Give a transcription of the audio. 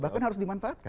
bahkan harus dimanfaatkan